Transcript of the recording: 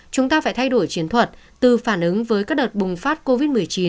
chúng ta phải thay đổi chiến thuật từ phản ứng với các đợt bùng phát covid một mươi chín